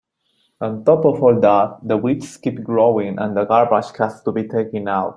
On top of all that, the weeds keep growing and the garbage has to be taken out.